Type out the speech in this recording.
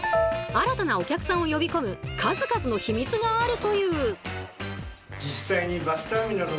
新たなお客さんを呼び込む数々のヒミツがあるという。